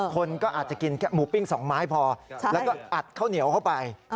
คนก็อาจจะกินแค่หมูปิ้ง๒ไม้พอแล้วก็อัดข้าวเหนียวเข้าไป